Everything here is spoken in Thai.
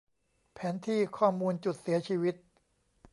แผนที่ ข้อมูลจุดเสียชีวิต